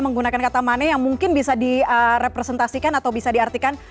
menggunakan kata mana yang mungkin bisa direpresentasikan atau bisa diartikan